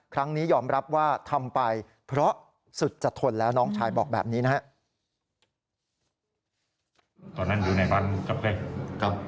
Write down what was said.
ครั้งนี้ยอมรับว่าทำไปเพราะสุดจะทนแล้วน้องชายบอกแบบนี้นะครับ